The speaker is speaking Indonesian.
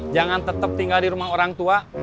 jangan tetap tinggal di rumah orang tua